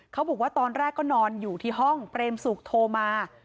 เขาบอกตอนแรกก็นอนอยู่ที่ห้องนะครับ